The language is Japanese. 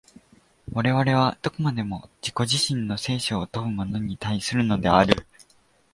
我々はどこまでも自己自身の生死を問うものに対するのである。